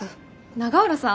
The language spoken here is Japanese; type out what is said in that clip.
永浦さん？